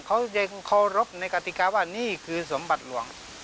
เขายังเคารพในกติกาว่านี่คือสมบัติหลวง